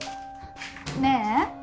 ねえ